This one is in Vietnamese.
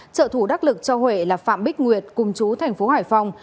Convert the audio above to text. trợ thủ đắc lực cho huệ là phạm bích nguyệt cùng chú thành phố hải phòng